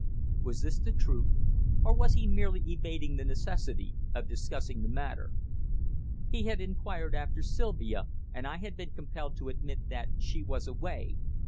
Was this the truth? Or was he merely evading the necessity of discussing the matter? He had inquired after Sylvia, and I had been compelled to admit that she was away.